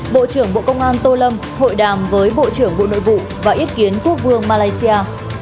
bộ trưởng bộ công an tô lâm hội đàm với bộ trưởng bộ nội vụ và ý kiến quốc vương malaysia